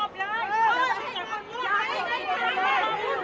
ต้องใจร่วม